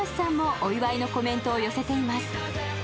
お祝いのコメントを寄せています。